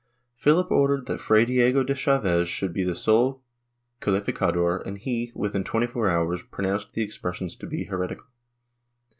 Philip ordered that Fray Diego de Chaves should be the sole calificador and he, within twenty four hours, pronounced the expressions to be heretical.